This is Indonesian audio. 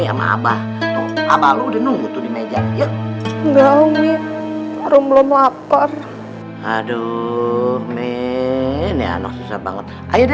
sama abah abah lu udah nunggu tuh di meja enggak om ya belum laper aduh ini anak susah banget ayo